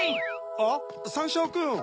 あっサンショウくん！